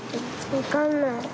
わかんない。